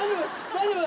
大丈夫！？